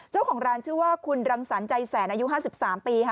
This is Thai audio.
เจ้าของร้านชื่อว่าคุณรังสรรค์ใจแสนอายุ๕๓ปีค่ะ